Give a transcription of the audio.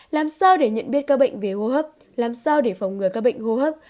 làm sao để nhận biết các bệnh về hô hấp làm sao để phòng ngừa các bệnh hô hấp